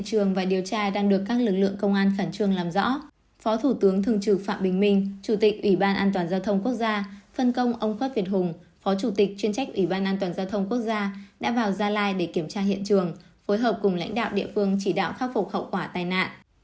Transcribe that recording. các lực lượng công an phản trương làm rõ phó thủ tướng thường trực phạm bình minh chủ tịch ủy ban an toàn giao thông quốc gia phân công ông phất việt hùng phó chủ tịch chuyên trách ủy ban an toàn giao thông quốc gia đã vào gia lai để kiểm tra hiện trường phối hợp cùng lãnh đạo địa phương chỉ đạo khắc phục khẩu quả tai nạn